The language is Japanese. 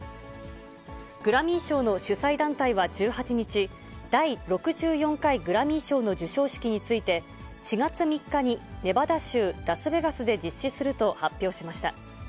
グラミー賞の主催団体は１８日、第６４回グラミー賞の授賞式について、４月３日にネバダ州ラスベガスで実施すると発表しました。